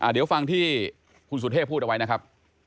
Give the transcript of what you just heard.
เดี๋ยวฟังที่คุณสุเทพพูดเอาไว้นะครับ